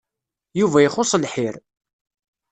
Yuba ixuṣ lḥir.